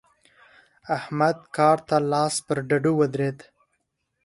احمد کار ته لاس پر ډډو ودرېد.